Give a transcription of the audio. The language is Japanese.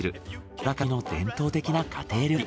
村上の伝統的な家庭料理。